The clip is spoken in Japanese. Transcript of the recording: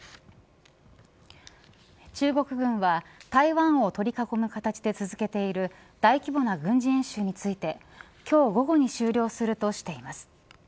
中国軍は台湾を取り囲む形で続けている大規模な軍事演習について今日、午後に終了するとしています。